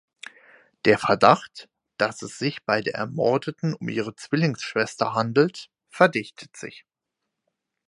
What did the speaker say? Der Verdacht, dass es sich bei der Ermordeten um ihre Zwillingsschwester handelt, verdichtet sich.